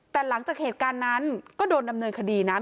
แต่หลังจากเหตุการณ์นั้นก็โดนดำเนินคดีนะ